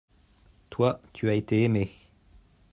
toi, tu as été aimé.